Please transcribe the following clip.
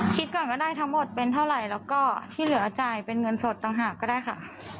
ก่อนก็ได้ทั้งหมดเป็นเท่าไหร่แล้วก็ที่เหลือจ่ายเป็นเงินสดต่างหากก็ได้ค่ะ